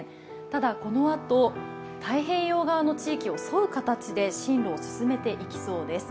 ただこのあと太平洋側の地域を沿う形で進路を進めていきそうです。